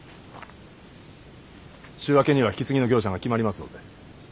週明けには引き継ぎの業者が決まりますので。